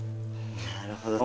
なるほど。